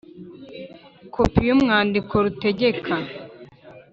Kopi y urwandiko rutegeka